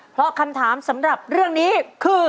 เพราะคำถามสำหรับเรื่องนี้คือ